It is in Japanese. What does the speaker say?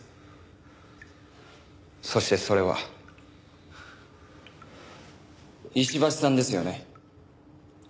そしてそれは石橋さんですよね。